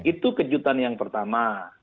itu kejutan yang pertama